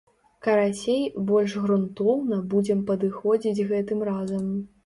Карацей, больш грунтоўна будзем падыходзіць гэтым разам.